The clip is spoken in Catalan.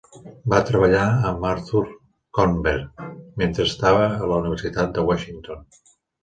Va treballar amb Arthur Kornberg mentre estava a la Universitat de Washington.